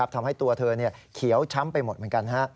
ทำให้ตัวเธอเขียวช้ำไปหมดเหมือนกัน